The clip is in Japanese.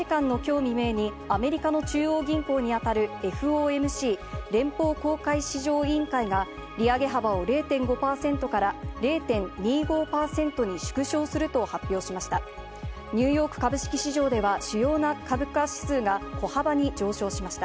未明にアメリカの中央銀行に当たるＦＯＭＣ＝連邦公開市場委員会が利上げ幅を０．５％から０．２５％に縮小すると発表しました。